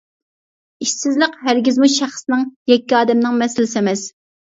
ئىشسىزلىق ھەرگىزمۇ شەخسنىڭ، يەككە ئادەمنىڭ مەسىلىسى ئەمەس.